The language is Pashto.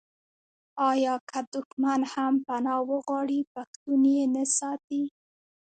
آیا که دښمن هم پنا وغواړي پښتون یې نه ساتي؟